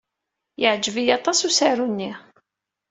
Yeɛjeb-iyi aṭas usaru-nni.